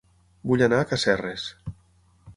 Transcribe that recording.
Vull anar a Casserres